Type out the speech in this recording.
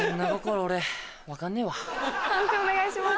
判定お願いします。